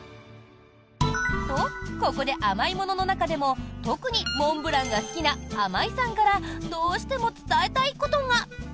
と、ここで甘いものの中でも特にモンブランが好きなあまいさんからどうしても伝えたいことが。